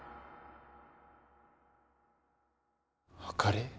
あかり？